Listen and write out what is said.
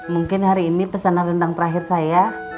mungkin hari ini pesanan rendang terakhir saya